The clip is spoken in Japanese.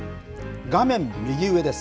画面右上です。